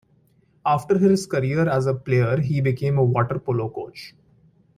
After his career as a player he became a water polo coach.